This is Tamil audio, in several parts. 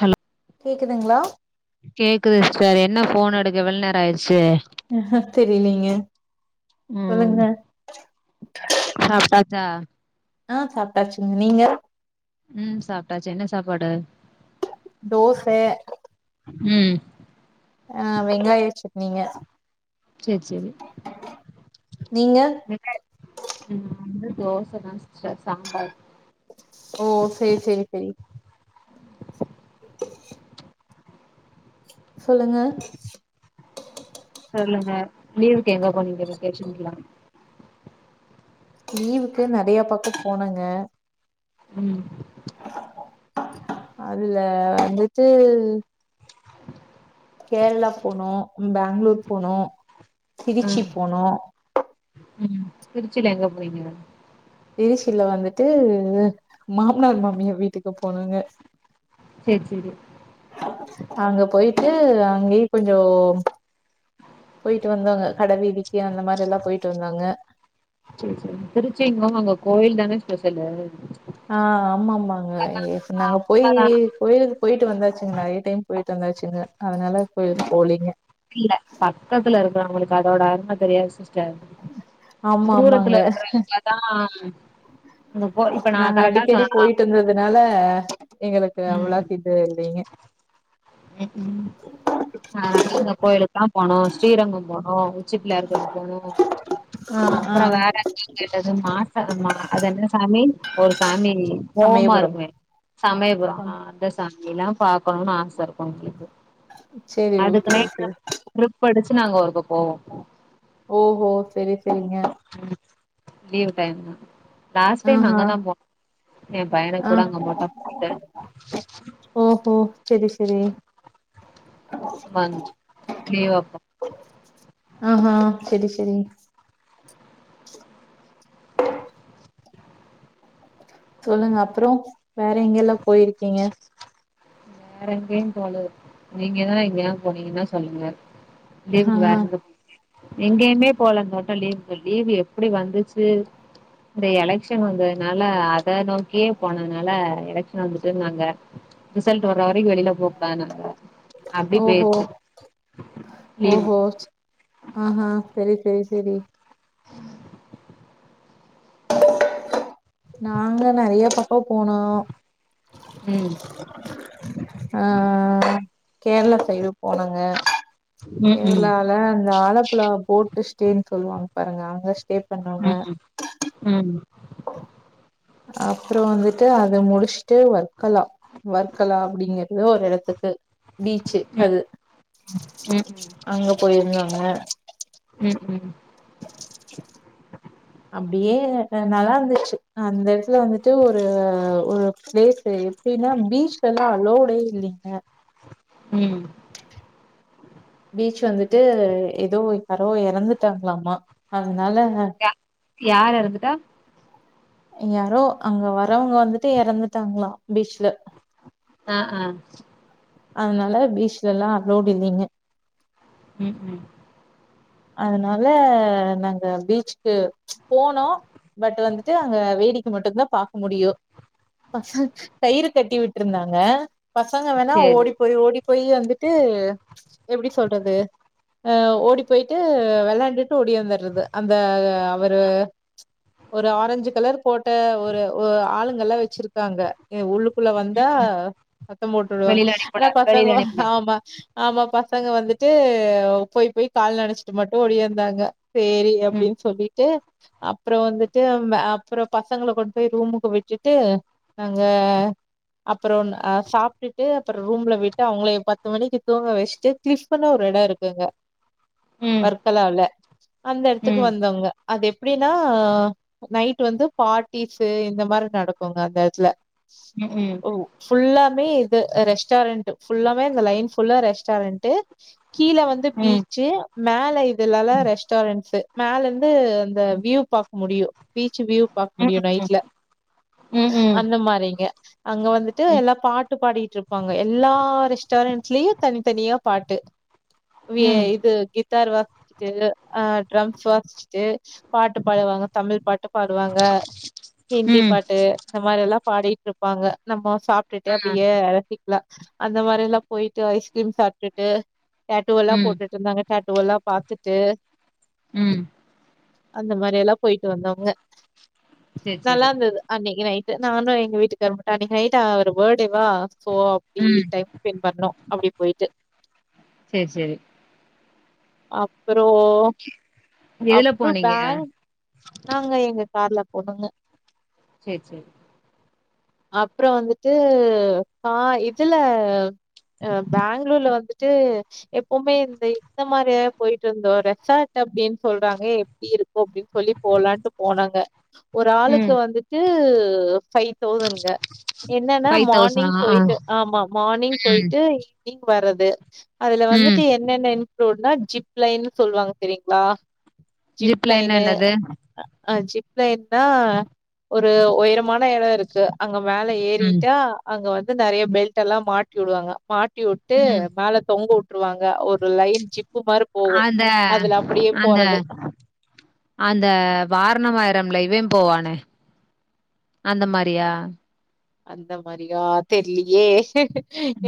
ஹலோ கேக்குதுங்ளா கேக்குது சிஸ்டர் என்ன போன் எடுக்க இவ்ளோ நேரோ ஆயிடுச்சு தெரிலிங்க ம் சாப்ட்டாச்சா அ சாப்ட்டாச்சுங்க நீங்க ம் சாப்டாச்சு என்ன சாப்பாடு தோச ம் அ வெங்காய சட்னிங்க செர் செரி நீங்க ம் நானு தோச தா சிஸ்டர் சாம்பார் ஓ செரி செரி செரி சொல்லுங்க சொல்லுங்க லீவுக்கு எங்க போனீங்க வெக்கேஷன்க்கெல்லா லீவுக்கு நெறைய பக்க போனாங்க ம் அதுல வந்துட்டு கேரளா போனோ பெங்களூர் போனோ திருச்சி ம் போனோ ம் திருச்சில எங்க போனிங்க திருச்சில வந்துட்டு மாமனார் மாமியார் வீட்டுக்கு போனங்க செர் செரி அங்க போயிட்டு அங்கயே கொஞ்சோ போயிட்டு வந்தாங்க கட வீதிக்கு அந்த மாரி எல்லா போயிட்டு வந்தாங்க செரி செரி திருச்சிங்கவு அங்க கோயில் தானே ஸ்பெஷலு அ ஆமா ஆமாங்க இப்ப நாங்க போயி அதானா கோயிலுக்கு போயிட்டு வந்தாச்சுங்க நெறையா டைம் போயிட்டு வந்தாச்சுங்க அதனால கோயிலுக்கு போளீங்க இல்ல பக்கத்துல இருக்குற அவுங்களுக்கு அதோட அரும தெரியாது சிஸ் டர் ஆமா ஆமாங்க தூரத்துல இருக்குற அவங்க தா இங்க போ இப்ப நா கரெக்டா சொன்னனா அதனால எங்களுக்கு ம் உலாதீட்டு இருந்தீங்க ம் ஆனா அந்த கோயிலுக்குலா போனோ ஸ்ரீரங்கம் போனோ. உச்சி பிள்ளையார் கோயில் போனோ. ஆ அ ஆ அப்பறோ வேற எங்க கேட்டது மாச மா அது என்ன சாமி ஒரு சாமி கோவமா சமயபுரம் இருக்குமே சமயபுரம் அ அந்த சாமி எல்லாம் பாக்கணும்னு ஆச இருக்கும் உங்களுக்கு சேரி ஓகே அதுக்கு ஓகே நேரா டிரிப் அடிச்சு நாங்க ஒருக்க போவோம் ஓஹோ சரி சரிங்க ம் லீவ் டைம் தான் லாஸ்ட் டைம் ஆஹா அங்கதான் போனோ என் பையனுக்கு ஆ கூட அங்க மொட்ட போட்டேன் ஓஹோ சேரி சேரி வந்து நீ வாப்பா ஆஹா சரி சரி சொல்லுங்க அப்றோ வேற எங்கெல்லாம் போய்ருக்கீங்க வேற எங்கேயும் போலயே நீங்கதான் எங்கயாவது போனீங்கன்னா சொல்லுங்க லீவுக்கு ஆஹா வேறெங்க எங்கேயுமே போலங்க டோட்டல் லீவுக்கு. லீவு எப்டி வந்துச்சு இந்த எலக்ஷன் வந்ததுனால அத நோக்கியே போனனால எலக்ஷன் வந்துட்டு நாங்க ரிசல்ட் வர வரைக்கு வெளில போக கூடாதுன்னாங்க ஓஹோ லீவு ஓஹோ ஆஹா செரி செரி செரி நாங்க நறையா பக்கோ போனோ ம் ஆ கேரளா சைடு போனங்க ம் ம் கேரளால இந்த ஆலப்புழா போட்டு ஸ்டேன்னு சொல்லுவாங்க பாருங்க. அங்க ஸ்டே பண்ணோங்க ம் ம் அப்பறோ வந்துட்டு அத முடிச்சுட்டு வர் கலா வர்க்கலா அப்பிடிங்கறோ ஒரு எடத்துக்கு பீச்சு ம் அது ம் அங்க போயிருந்தாங்க ம் ம் அப்டியே நல்லா இருந்துச்சு அந்த எடத்துல வந்துட்டு ஒரு ஒரு‌பிளேஸ் தெரி ஏன்னா பீச்லல்லா அளோடே இல்லைங்க ம் பீச் வந்துட்டு எ எதோ ஒரு யாரோ எறந்துட்டாங்களாமா அதுனால யா யாரு எறந்துட்டா யாரோ அங்க வர்ரவங்க வந்துட்டு எறந்துட்டாங்களா பீச்ல ஆ ஆ அதனால பீச்ல எல்லா அளோட் இல்லேங்க ம் ம் அதனால நாங்க பீச்சுக்கு போனோ பட் வந்துட்டு அங்க வேடிக்க மட்டுந்தா பாக்க முடியு பச கயிறு கட்டி விட்ருந்தாங்க. பசங்க வேணா சேரி ஓடி போய் ஓடி போய் வந்துட்டு எப்டி சொல்றது ஆ ஓடி போய்ட்டு வெளாண்டுட்டு ஓடியாந்துறது. அந்த அவரு ஒரு ஆரஞ்சு கலர் போட்ட ஒரு ஒரு ஆளுங்கல்லாம் வச்சிருக்காங்க எ உள்ளுக்குள்ள வந்தா சத்தம் போட்டுடுவாங்க வெளியில அனுப்பிவுட ஆனா பசங்க வெளியில அனுப்பிவுட ஆமா ஆமா பசங்க வந்துட்டு போய் போய் கால் நனச்சிட்டு மட்டும் ஒடியாந்தாங்க செரி ம் அப்டின் சொல்லி ட்டு அப்றோ வந்துட்டு ஆ அப்றோ பசங்கள கொண்டு போய் ரூமுக்கு விட்டுட்டு அங்க அப்றோ அ சாப்ட்டுட்டு அப்றோ ரூம்ல விட்டு அவுங்கள பத்து மணிக்கு தூங்க வச்ட்டு பிஷ்பன்னா ஒரு எடோ இருக்கு அங்க ம் வர்க்கலவுல அந்த எடத்துக்கு ம் வந்தவங்க அது எப்டின்னா நைட் வந்து பார்ட்டிஸ்ஸு இந்த மாரி நடக்குங்க அந்த எடத்துல ம் ம் ஓ ஃபுல்லாமே இது ரெஸ்டாரன்ட்டு ஃபுல்லாமே அந்த லைன் ஃபுல்லா ரெஸ்டாரன்ட்டு கீழ வந்து ம் பீச்சு மேல இதுல எல்லா ரெஸ்டாரன்ட்ஸ்ஸு மேல இருந்து அந்த வியூ பாக்க முடியு பீச் வியூ பாக்க ம் முடியு நைட்ல ம் ம் அந்த மாரிங்க அங்க வந்துட் டு ம் எல்லா பாட்டு பாடிட்டு இருப்பாங்க எல்லா ரெஸ்டாரன்ஸ்லயு தனிதனியா பாட்டு. ம் [unintelligible] ட்டு கிட்டார் வாச்சுட்டு ஆ ட்ரம்ஸ் வாச்சுட்டு பாட்டு பாடுவாங்க தமிழ் பாட்டு பாடுவாங்க ஹிந்தி ம் பாட்டு இந்த மாரி எல்லா பாடிட்டு இருப்பாங்க. நம்மோ சாப் சாப்ட்டுட்டு ஆ அப்டியே ரசிக்கெலா. அந்த மாரி எல்லா போய்ட்டு ஐஸ்கிரீம் சாப்ட்டுட்டு டாட்டூவெல்ல ம் போட்டுட்டு இருந்தாங்க டாட்டூவெல்லா பாத்துட்டு ம் அந்த மாரி எல்லா போய்ட்டு வந்தோங்க சேரி நல்லா சேரி இருந்தது அன்னைக்கு நைட்டு் நானு எங்க வீட்டுக்காரரு மட்டுஅன்னைக்கி நைட்டு அவ்ரு பேர்த்டேவா சோ அப்டி ம் டைம் ஸ்பெண்ட் பண்ணோ அப்டி போயிட்டு செர் செரி அப்றோ எதுல அப்றோ போனீங்க பெங் நாங்க எங்க கார்ல போனுங்க செரி செரி அப்றோ வந்துட்டு கா இதுல ஆ பெங்களூர்ல வந்துட்டு எப்வுமே இந்த இந்த மாரிய போயிட்டு இருந்தோ ரெசார்ட் அப்டின்னு சொல்றாங்க எப்டி இருக்கு அப்டின் சொல்லி போலான்ட்டு போனாங்க ஒரு ஆளுக்கு ம் வந்துட்டு ஃபை தௌசன்ங்க என்னன்னா ஃபைவ் மார்னிங் தௌசணா ஆ போயிட்டு ஆமா மார்னிங் ம் போயிட்டு எவ் னிங் வர்றது அதுல ம் வந்துட்டு என்னென்ன இன்களூட்னா ஜிப் லைன்னு சொல்லுவாங்க தெரிங்களா ஜிப் லைன்னா லைனு என்னது அ ஜிப் லைன்னா ஒரு உயரமான எடோ இருக்கு அங்க மேல ம் ஏறிட்டா அங்க வந்து நெறைய பெல்டெல்லா மாட்டி விடுவாங்க மாட்டி விட்டு ம் மேல தொங்க விட்டுருவாங்க ஒரு லைன் ஜிப்பு மாரி போகு அந்த அதுல அப்டியே அந்த போறது அந்த வாரணமாயரம்ல இவே போவானே அந்த மாரியா அந்த மாரியா தெர்லியே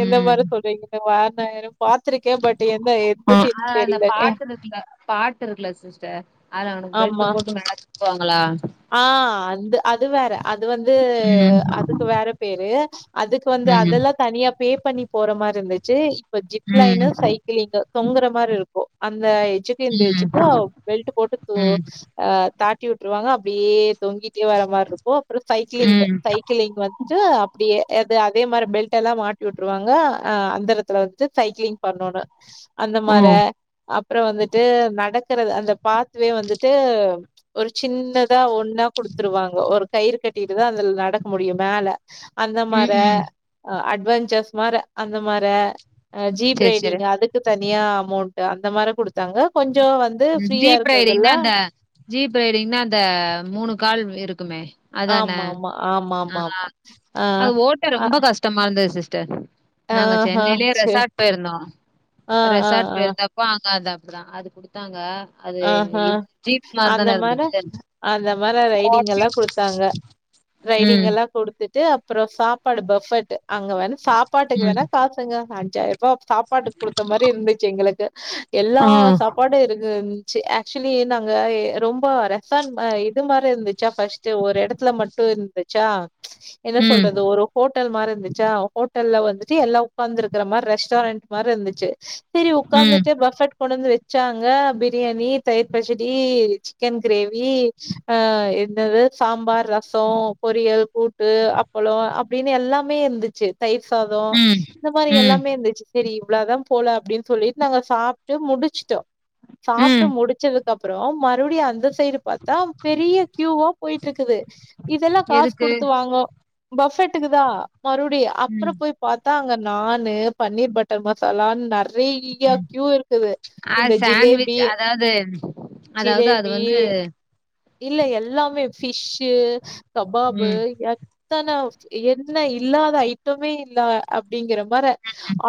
எந்த மாரி சொல்றீங்க வாரணாயிரம் ஆ அதுல அந்த தெரில பாட்டு இருக்கல பாட்டு இருக்கல சிஸ்டர் அதுல அவுனுக்கு ஆமா பெல்ட் போட்டு மேல தூக்குவாங்களா ஆ அந்த அது வேற அது வந்து ம் அதுக்கு வேற பேரு அதுக்கு வந்து ம் அதெல்லா தனியா பே பண்ணி போற மாரி இருந்துச்சு இப்ப ஜிப் லைனு ம் சைக்கிளிங்கு தொங்கற மாரி இருக் கு அந்த எஜ்ஜுக்கு இந்த ம் எஜ்ஜுக்கு பெல்ட் போட்டு து ம், ஆ தாட்டி விட்டுருவாங்க அப் டியே தொங்கிட்டே வர மாரு இருக்கு அப்றோ சைக்கிலிங் ம். சை க்கிள்லிங் வந்துட்டு அப்டியே அது அதே மாரி பெல்ட் எல்லா மாட்டி விட்டுருாங்க அந்தரத்துல வந்துட்டு சைக்கிளிங் பண்ணணு அந்த ஓ! மார அப்றோ வந்துட்டு நடக்கிறது அந்த பாத்வே வந்துட்டு ஒரு சின்னதா ஒன்னா குடுத்துருவாங்க ஒரு கயிறு கட்டிட்டுதா அதுல நடக்க முடியு மேல அந்த மார ம், ம். அட்வென்சர்ஸ் மார அந்த மார ஜீப் சரி, சரி. ரைடிங் அதுக்கு தனியா அமௌண்ட் அந்த மார குடுத்தாங்க கொஞ்சோ வந்து ஃப்ரீயா ஜீப் ரைடிங்னா இருக்கறதெல்லா அந்த ஜீப் ரைடிங்னா அந்த மூணு கால் இருக்குமே அதானே ஆமா ஆமா ஆமா ஆ ஆமா ஆமா ஆ அது ஓட்ட அ ரொம்ப கஷ்டமா இருந்தது சிஸ்டர் நாங்க ஆஹா சென்னையிலயே சே ரெசார்ட் போயிருந்தோ ஆ ஆ ரெசார்ட் ஆ போயிருந்தப் ப்ப அங்க அது அப்பற அது குடுத்தாங்க அது ஆ ஹா இது ஜீப் மாரி அந்த தானே மார இருந்தது. அந்த மார ரைடிங் எல்லா குடுத்தாங்க ரைடிங் ம், எல்லா குடுத்துட்டு அப்புற சாப்பாடு பஃபட் அங்க வேணா சாப்பாட்டுக்கு ம். வேணா காசுங்க அஞ்சாயிர ப்போப் சாப்பாடு குடுத்த மாரி இருந்துச்சு எங்களுக்கு எல்லா ஆ. சாப்பாடு இருக்கு சு ஆக்சுவலி நாங்க ரொம்ப ரேசான் மா இது மாரி இருந்துச்சா ஃபஸ்ட்டு ஒரு எடத்துல மட் டு இருந்துச்சா என்ன ம், சொல்றது ஒரு ஹோட்டல் மாரி இருந்து சா ஹோட்டல்ல வந்துட்டு எல்லா ஒக்காந்து இருக்கற மாரி ரெஸ்டாரண்ட் மாரி இருந்துச்சு சேரி ம், உட்காந்துட்டு பஃபட் கொண்டு வந்து வச்சாங்க அப் பிரியாணி தயிர் பசடி சிக்கன் கிரேவி ஹ என்னது சாம்பார் ரசோ பொரியல் கூட்டு அப்பளோ அப்டின்னு எல்லாமே இருந்துச்சு தயிர் சாதம் ம், இந்த மாரி ம், எல்லாமே இருந்துச்சு சேரி இவ்ள தா போல அப்டின்னு சொல்லிட்டு நாங்க சாப்ட்டு முடிச்சுட்டோ சாப்ட்டு ம். முடிச்சதுக்கு அப்பறோ மறுபடியு அந்த சைடு பாத்தா பெரிய கியூவா போயிட்டு இருக்குது இதெல்லா காசு எதுக்கு? குடுத்து வாங்க பஃபட்டுக்குதா மறுபடியு அப்புற ம், போய் பாத்தா அங்க நானு பன்னீர் பட்டர் மசாலான் நெற் றையா கியூ இருக்குது இந்த ஜிலே அதாது அதாவது அது வந்து இல்ல எல்லாமே ஃபிஷ்ஷு கபாபு ம், எ த்தன என்ன இல்லாத ஐட்டமே இல்ல அப்டிங்கிற மார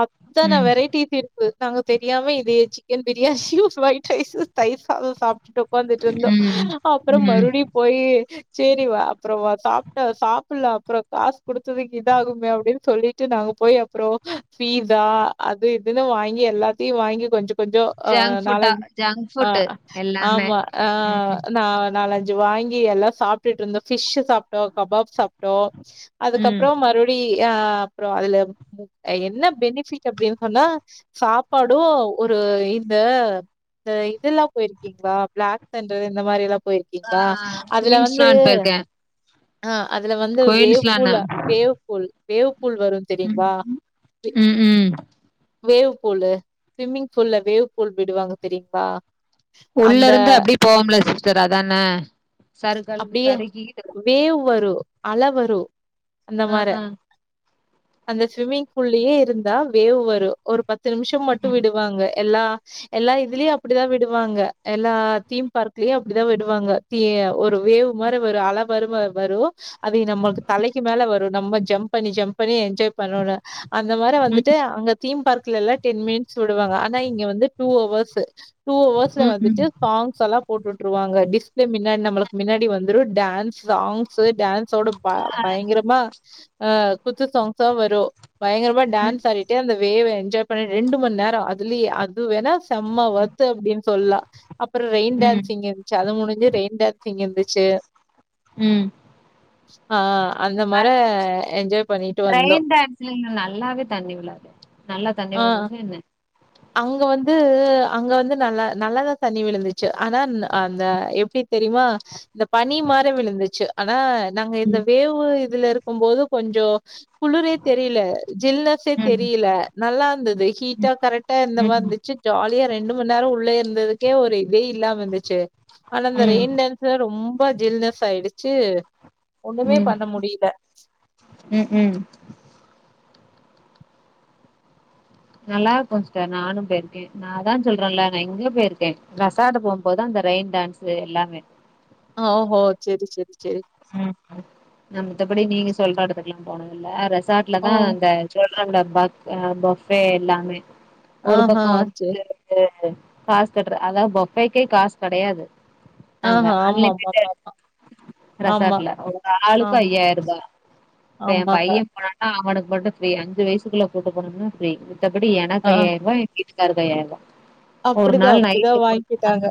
அத்தன ம். வெரைட்டிஸ் இர் த்தாங்க தெரியாம இது சிக்கன் பிரியாணியு ஒயிட் ரைஸ் தயிர் சாதம் சாப் ட்டு ஒக்காந்துட்டு இருந்தோ ம். அப்புற ம். மறுபடியு போயி சேரி வா அப்புற வா சாப்டன் சாப்ல அப்புற காசு குடுத்ததுக்கு இத ஆகுமே அப்டின் சொல்லி ட்டு நாங்க போய் அப்றோ பீஸா அது இதுன்னு வாங்கி எல்லாத்தையு வாங்கி கொஞ்ச கொஞ்சோ ஆ ஜங்க் ஃபுட்டா நாலஞ் ஜங்க் ஆ ஃபுட்டு எல்லாமே. ஆமா ஆ ம். நா நாலஞ்சு வாங்கி எல்லா சாப்டுட்டு இருந்தோ ஃபிஷ் சாப்ட்டோ கபாப் சாப்ட்டோம் ம். அதுக்கப்றோ மறுபடி அ அப்றோ அதுல என்ன பெனிஃபிட் அப்டின்னு சொன்னா சாப்பாடு ஒரு இந்த இந்த இதெல்லா போயிருக்கீங்களா பிளாக் தண்டர் இந்த மாதிரி எல்லா போயி ஆ க்கிங்களா அதுல வந்து குயின்ஸ்லாண்ட் போயிருக்கேன். ஆ அதுல வந்து வேவ் பூல குயின்ஸ்லானா. வேவ்பூல் வேவ்பூல் வரு ம். தெரிங்ளா ம், ம். வேவ்பூலு ஸ்விம்மிங்பூல்ல வேவ் பூல் விடுவாங்க தெரியுங்ளா உள்ள இருந்து அப்டி போவோம்ல சிஸ்டர் அதான சருகல் அப்படியே சருகிகிட்டு வேவ் வரு அல வரு அந்த அ, மார அ. அந்த ஸ்விம்மிங் பூல்லயே இருந்தா வேவ் வரு ஒரு பத்து நிமிஷம் மட்டு விடுவாங்க எல்லா எல்லா இதுலயு அப்டிதா விடுவாங்க எல்லா தீம் பார்க்லயு அப்டிதா விடுவாங்க தீ ஒரு வேவு மார வரு அல மார வரு அதையே நம்மளுக்கு தலைக்கு மேல வரு நம்ம ஜம்ப் பண்ணி ஜம்ப் பண்ணி என்ஜாய் பண்ணனு அந்த மார ம், வந்துட்டு அங்க தீம் பார்க்லலா டென் மினிட்ஸ் விடுவாங்க ஆனா இங்க வந்து டூ ஹவர்சு டூ ம், ஹவர்ஸ்ல ம். ம். வந்துட்டு சாங்ஸ் எல்லா போட்டுட்டுருவாங்க டிஸ்பிளே மின்னாடி நம்மளுக்கு மின்னாடி வந்துரு டான்ஸ் சாங்ஸ் டான்சோட ப ஆ. பயங்கரமா ஆ குத்து சாங்ஸா வரு பயங்கரமா ம், டான்ஸ் ஆடிட்டு அந்த வேவ என்ஜாய் பண்ணி ரெண்டு மண் நேரோ அதுலியே அது வேணாச் செம்ம வொர்த்து அப்டின் சொல்லா அப்பற ரெயின் ம், டேன்சிங் இருந்துச்சு அது முடிஞ்சு ரெயின்டேன் இங்க இந்துச்சே ம். அ என்ஜாய் பண்ணிட்டு வந்தோ ரெயின் டேன்ஸ்லிங்ல நல்லாவே தண்ணி விழாது நல்லா தண்ணி ஆ வந்துச்சு என்ன அங்க வந்து அங்க வந்து நல்லா நல்லாதா தண்ணி விழுந்துச்சு ஆனான்னு அந்த எப்டி தெரியுமா இந்த பனி மாரி விழுந்துச்சு ஆனா நாங்க இந்த ம், வேவு இதுல இருக்கும் போது கொஞ்சோ குளுரே தெரியில ஜில்னஸ்ஸே ம், தெரியில நல்லாந்தது ஹீட்டா ம், கரெட்டா இந்த ம், மாத் ம், ச்சிச் ஜாலியா ரெண்டு மண் நேர உள்ளயே இந்ததுக்கே ஒரு இதே இல்லாம இந்துச்சு ஆனா அந்த ம், ரெயின் டேன்ஸ் ச ரொம்ப ஜில்னஸ் ஆயிடுச்சு ஒன்னுமே பண்ண முடியில ம் ம் நல்லாக்கு சிஸ்டர் நானும் போயிருக்கே நா அதாஞ் சொல்றல்ல நா எங்கியோ போயிருக்கே ரெஷாடு போம்போது அந்த ரெயின் டேன்ஸ்சு எல்லாமே அ ஓஹோ செரி செரி செரி ம் நா மித்தபடி நீங்க சொல்ற எடத்துக்குலாம் போனதில்ல ஓ! ரெசாட்லதா அந்த சோல் லான் டப்பாக் அ பஃபே எல்லாமே ஒரு ஆஹா! பக்க சரி. வந்து தே காச் கட்ற அதா பஃபேக்கே காச் கெடையாது நாங்க ஆஹா! ஆன்லைன் ஆமாமாமா. [unintelligible] ஆமா, ஆமா, ரெசார்ட்ல ஒரு ஆமா ஆளுக்கு ஐயாயிரபா இப்ப எம் ஆமா ஆமாங்க. பைய போனானா அவனுக்கு மட்டு ஃபிரீ அஞ்சு வயசுக்குள்ள கூட்டு போனன்னா ஃபிரீ மித்தபடி எனக்கு ஆ. ஐயாயிருவா எ வீட்டுக்காருக்கு ஐயாயர்வா அப்டிதா அப்டிதா வாய்ங்கிட்டாங்க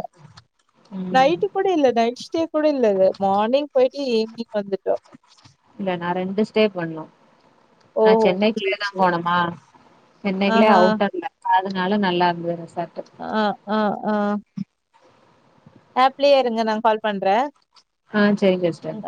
ம் நைட்டுக் கூட இல்ல நைட் ஸ்டே கூட இல்லது மார்னிங் போயிட்டு ஈவ்னிங் வந்துட் இல்ல நா ரெண்டு ஸ்டே பண்ணோ நா ஓஹோ! சரி, சென்னைக்குள்ளியேதாம் சரி. போனம்மா சென்னைகுளே ஆஹா. அவுட்டர்ல அதனால நல்லாருந்தது ரெசார்ட்டு அ அ அ ஆப்லியே இருங்க நா கால் பண்றே ஆ செரிங் எஸ்டர்